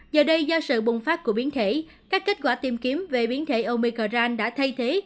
giờ đây do sự bùng phát của biến thể các kết quả tìm kiếm về biến thể omicran đã thay thế